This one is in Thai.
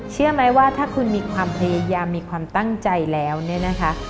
เชื่อไหมว่าถ้าคุณมีความพยายามมีความตั้งใจแล้วเนี่ยนะคะ